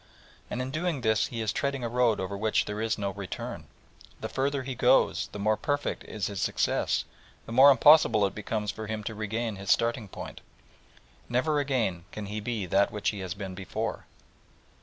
And in doing this he is treading a road over which there is no return. The further he goes, the more perfect is his success, the more impossible it becomes for him to regain his starting point. Never again can he be that which he has been before.